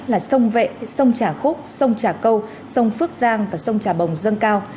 là sông vệ sông trà khúc sông trà câu sông phước giang và sông trà bồng dâng cao